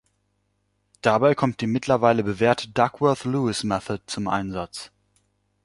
Dabei kommt die mittlerweile bewährte Duckworth-Lewis Method zum Einsatz.